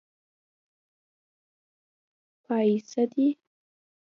پايڅۀ دې.